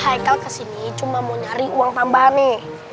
haikal kesini cuma mau nyari uang tambah nih